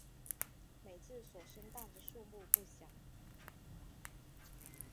每次所生蛋的数目不详。